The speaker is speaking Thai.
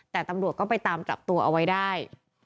แต่ตำรวจก็ไปตามจับตัวเอาไว้ได้